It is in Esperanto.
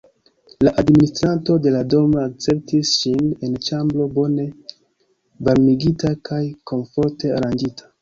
La administranto de la domo akceptis ŝin en ĉambro bone varmigita kaj komforte aranĝita.